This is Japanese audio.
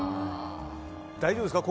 大丈夫ですか